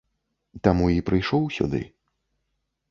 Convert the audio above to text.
Таму і прыйшоў сюды.